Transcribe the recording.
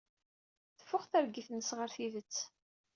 Teffeɣ targit-nnes ɣer tidet.